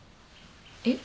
えっ？